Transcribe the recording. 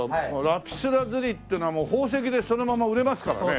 ラピスラズリってのはもう宝石でそのまま売れますからね。